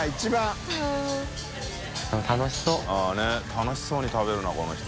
楽しそうに食べるなこの人。